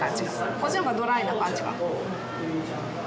こっちの方がドライな感じが。